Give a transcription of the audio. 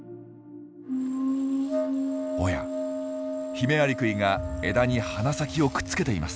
おやヒメアリクイが枝に鼻先をくっつけています。